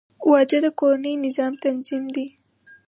• واده د کورني نظام تنظیم دی.